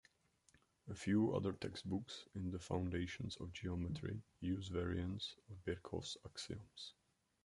A few other textbooks in the foundations of geometry use variants of Birkhoff's axioms.